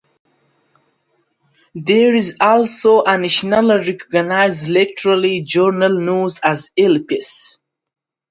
There is also a nationally recognized literary journal known as "Ellipsis".